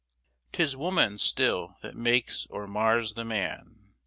... 'Tis woman still that makes or mars the man.